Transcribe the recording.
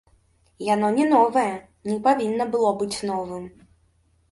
Яно не новае, не павінна было быць новым.